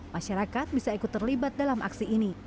masyarakat bisa ikut terlibat dalam aksi ini